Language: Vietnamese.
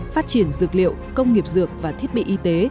phát triển dược liệu công nghiệp dược và thiết bị y tế